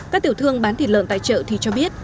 các tiểu thương bán thịt lợn tại chợ thì cho biết